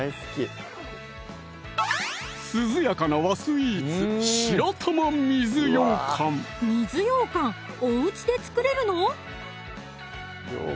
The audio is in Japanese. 涼やかな和スイーツ水ようかんおうちで作れるの？